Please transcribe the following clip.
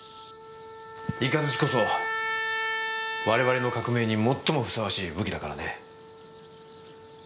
イカズチこそ我々の革命に最もふさわしい武器だからね。